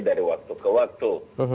dari waktu ke waktu